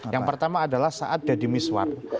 yang pertama adalah saat deddy miswar